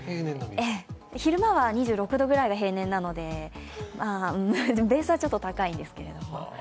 昼間は２６度くらいが平年なのでちょっと高いんですけど。